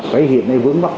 cái hiện nay vướng mắt